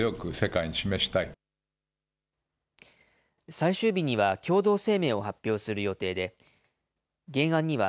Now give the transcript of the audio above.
最終日には共同声明を発表する予定で、原案には、